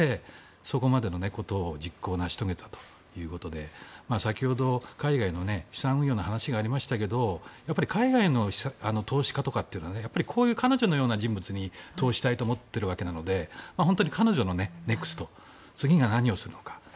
そこまでのことを実行、成し遂げたということで先ほど、海外の資産運用の話がありましたが海外の投資家とかというのはこういう彼女のような人物に投資したいと思っているわけなので本当に彼女のネクスト次が何をするのか。